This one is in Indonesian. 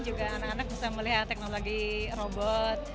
juga anak anak bisa melihat teknologi robot